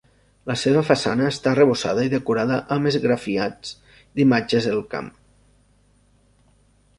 La seva façana està arrebossada i decorada amb esgrafiats d'imatges del camp.